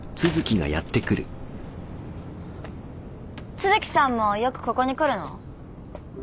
・都築さんもよくここに来るの？